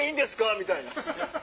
みたいな。